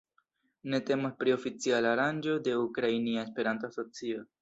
Ne temas pri oficiala aranĝo de Ukrainia Esperanto-Asocio.